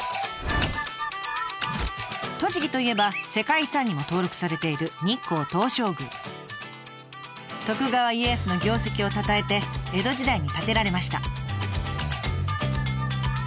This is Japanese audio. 栃木といえば世界遺産にも登録されている徳川家康の業績をたたえて江戸時代に建てられました。